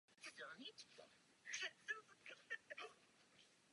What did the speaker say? Specializuje se na dámské luxusní spodní prádlo.